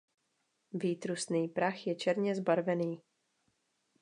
Výtrusný prach je černě zbarvený.